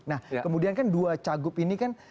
nah kemudian kan dua cagup ini kan